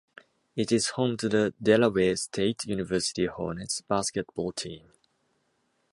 It is home to the Delaware State University Hornets basketball team.